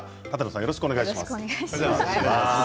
よろしくお願いします。